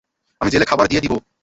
আমি জেলে খাবার দিয়ে দিবো।